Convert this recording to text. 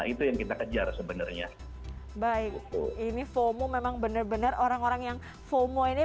itu yang kita kejar sebenarnya baik ini fomo memang bener bener orang orang yang fomo ini